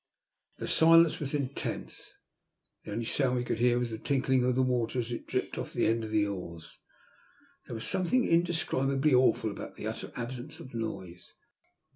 The silence was intense ; the only sound we could hear was the tinkling of the water as it dripped off the ends of the oars. There was something indescribably awful about the utter absence of noise.